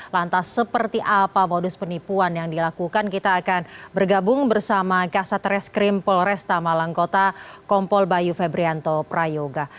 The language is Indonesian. lantas seperti apa modus penipuan yang dilakukan kita akan bergabung bersama kasatres krim polresta malangkota kompol bayu febrianto prayoga